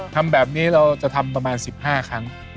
ทำแบบนี้เราจะทำประมาณ๑๕ครั้ง